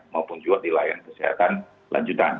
maupun juga di layanan kesehatan lanjutan